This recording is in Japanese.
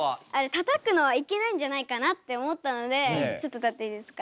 たたくのはいけないんじゃないかなって思ったのでちょっと立っていいですか。